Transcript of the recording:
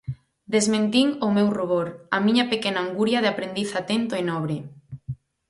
Desmentín o meu rubor, a miña pequena anguria de aprendiz atento e nobre.